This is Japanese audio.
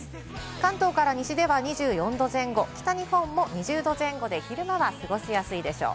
関東から西では２４℃前後、北日本も２０℃前後で昼間は過ごしやすいでしょう。